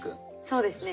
そうですね